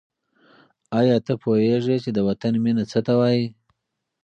آیا ته پوهېږې چې د وطن مینه څه ته وايي؟